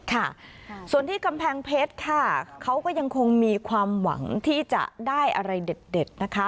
ค่ะส่วนที่กำแพงเพชรค่ะเขาก็ยังคงมีความหวังที่จะได้อะไรเด็ดนะคะ